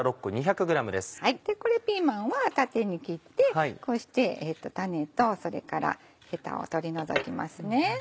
ピーマンは縦に切ってこうして種とそれからヘタを取り除きます。